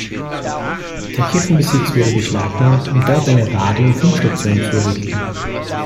Der Kirchenbesitz wurde beschlagnahmt, um dort eine Radio- und Funkstation zu errichten.